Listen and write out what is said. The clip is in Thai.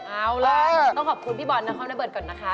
เอาล่ะต้องขอบคุณพี่บอลในความได้เบิร์ดก่อนนะคะ